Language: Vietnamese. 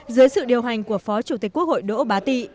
dưới sự điều hành của phó chủ tịch quốc hội đỗ bá tị